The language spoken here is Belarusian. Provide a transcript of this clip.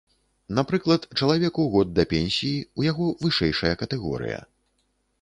Напрыклад, чалавеку год да пенсіі, у яго вышэйшая катэгорыя.